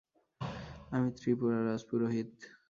আমি ত্রিপুরার রাজপুরোহিত।